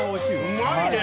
うまいね！